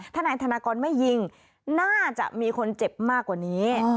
ถ้านายธนากรไม่ยิงน่าจะมีคนเจ็บมากกว่านี้